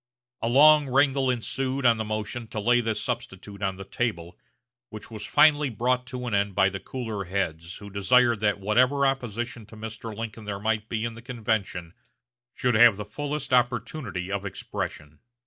A long wrangle ensued on the motion to lay this substitute on the table, which was finally brought to an end by the cooler heads, who desired that whatever opposition to Mr. Lincoln there might be in the convention should have fullest opportunity of expression.